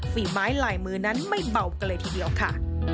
ฝีไม้ลายมือนั้นไม่เบากันเลยทีเดียวค่ะ